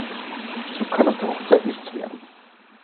So kann aus der Hochzeit nichts werden.